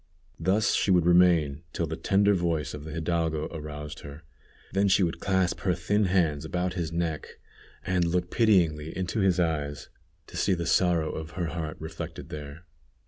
Thus she would remain till the tender voice of the hidalgo aroused her; then she would clasp her thin hands about his neck, and look pityingly into his eyes to see the sorrow of her heart reflected there.